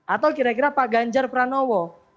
atau kira kira pak ganjar pranowo